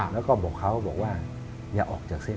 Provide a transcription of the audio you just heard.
แล้วก็บอกเขาบอกว่าอย่าออกจากเส้น